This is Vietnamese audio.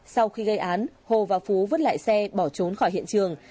sau khi gây án hồ và phú vứt lại xe bỏ trốn khỏi hiện trường